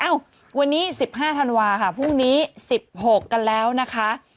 วันนี้๑๕ธันวาค่ะพรุ่งนี้๑๖กันแล้วนะคะ